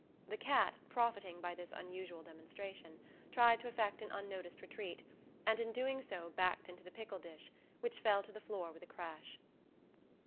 The cat, profiting by this unusual demonstration, tried to effect an unnoticed retreat, and in doing so backed into the pickle dish, which fell to the floor with a crash.